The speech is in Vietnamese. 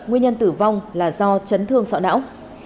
nguyên nhân tử vong là do chấn thương sọ não